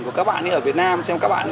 của các bạn ở việt nam xem các bạn